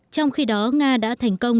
trong khi đó nga đã thành công